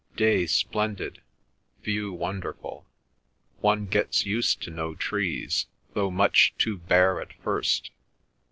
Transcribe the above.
Day splendid, view wonderful. One gets used to no trees, though much too bare at first.